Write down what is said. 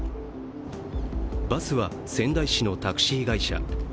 バスは仙台市のタクシー会社。